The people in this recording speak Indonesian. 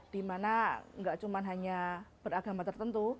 dimana tidak hanya beragama tertentu